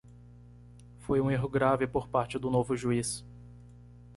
Foi um erro grave por parte do novo juiz.